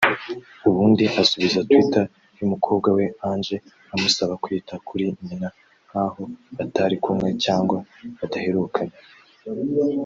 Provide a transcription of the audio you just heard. ubundi asubiza twitter y’umukobwa we Ange amusaba kwita kuri nyina nk’aho batari kumwe cyangwa badaherukanye